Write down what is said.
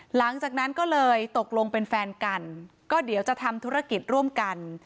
หลังจากนั้นก็เลยตกลงเป็นแฟนกันก็เดี๋ยวจะทำธุรกิจร่วมกัน